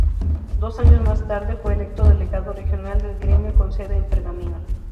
Dos años más tarde, fue electo Delegado Regional del gremio con sede en Pergamino.